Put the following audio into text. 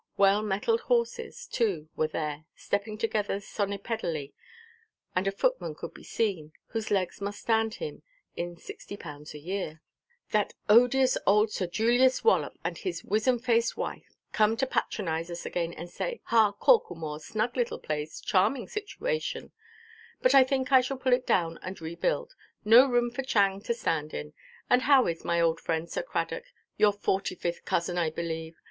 Well–mettled horses, too, were there, stepping together sonipedally, and a footman could be seen, whose legs must stand him in 60_l._ a year. "That odious old Sir Julius Wallop and his wizen–faced wife come to patronize us again and say, 'Ha, Corklemore, snug little place, charming situation; but I think I should pull it down and rebuild; no room for Chang to stand in it. And how is my old friend, Sir Cradock, your forty–fifth cousin, I believe?